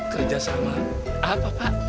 kerjasama apa pak